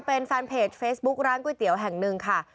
เป็นแฟนเพจเฟซบุ๊กร้านก๋วยเตี๋ยวแห่งหนึ่งค่ะ